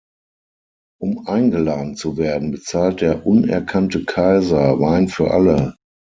Um eingeladen zu werden, bezahlt der unerkannte Kaiser Wein für alle.